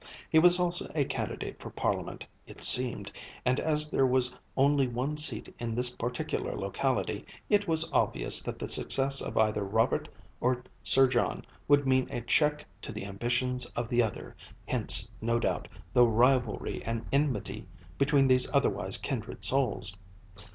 He was also a candidate for Parliament, it seemed, and as there was only one seat in this particular locality, it was obvious that the success of either Robert or Sir John would mean a check to the ambitions of the other, hence, no doubt, the rivalry and enmity between these otherwise kindred souls.